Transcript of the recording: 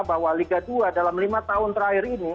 bahwa liga dua dalam lima tahun terakhir ini